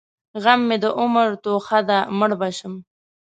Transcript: غم مې د عمر توښه ده؛ مړ به شم.